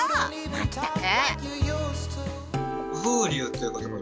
まったく。